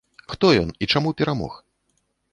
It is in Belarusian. Хто ён і чаму перамог?